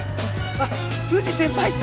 あっ藤先輩っす！